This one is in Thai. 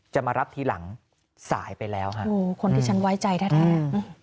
จะมารับทีหลังสายไปแล้วฮะคนที่ฉันไว้ใจแท้